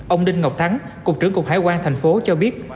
ông đinh ngọc thắng cục trưởng cục hải quan tp hcm cho biết